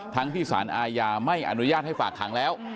ทั้งที่สารอาญาไม่อนุญาตให้ฝากขังแล้ว